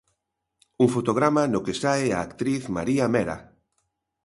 Un fotograma no que sae a actriz María Mera.